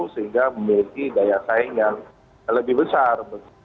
sehingga memiliki daya saing yang lebih besar